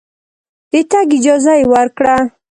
د تګ اجازه یې ورکړه.